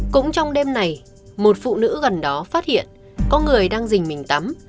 cũng trong đêm này một phụ nữ gần đó phát hiện có người đang dình mình tắm